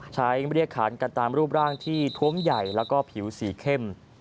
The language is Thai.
เรียกขานกันตามรูปร่างที่ท้วมใหญ่แล้วก็ผิวสีเข้ม